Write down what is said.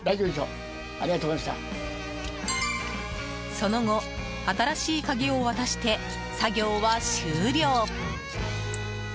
その後、新しい鍵を渡して作業は終了。